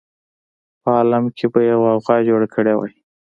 په عالم کې به یې غوغا جوړه کړې وای.